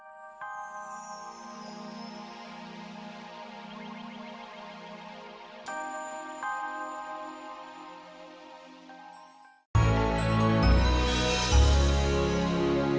aku tak mau pergi